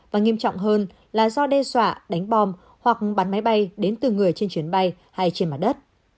và nghiêm trọng hơn là do đe dọa đánh bom hoặc bắn máy bay đến từ người trên chuyến bay hay trên mặt đất